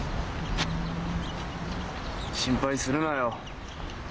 心配するなよ。